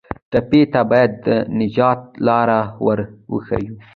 ټپي ته باید د نجات لاره ور وښیو.